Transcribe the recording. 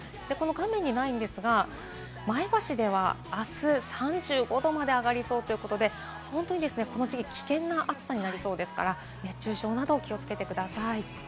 画面にないですが、前橋では明日３５度まで上がりそうということで、この時期、危険な暑さになりそうですから、熱中症などにお気をつけください。